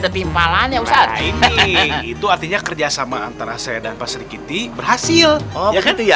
ada timpalannya ustadz ini itu artinya kerjasama antara saya dan pasti gini berhasil oh gitu ya iya